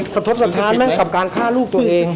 กระทบสถานไหมกับการฆ่าลูกตัวเอง